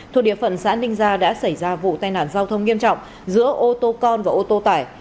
thuộc địa phận xã ninh gia đã xảy ra vụ tai nạn giao thông nghiêm trọng giữa ô tô con và ô tô tải